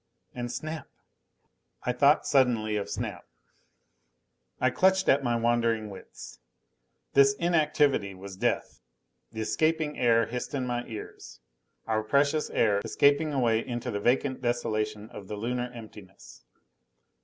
And Snap! I thought suddenly of Snap. I clutched at my wandering wits. This inactivity was death. The escaping air hissed in my ears. Our precious air, escaping away into the vacant desolation of the Lunar emptiness.